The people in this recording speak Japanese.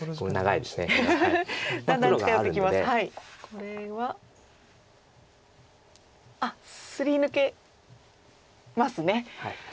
これはあっすり抜けますね。